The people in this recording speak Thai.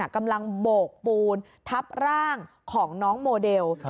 กำลังโบกปูนทับร่างของน้องโมเดล